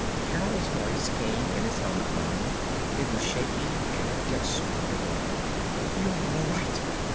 Carol's voice came in his helmet phone. It was shaky and desperately glad. "_You're all right?